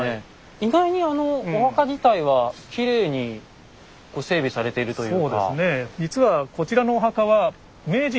意外にお墓自体はきれいに整備されているというか。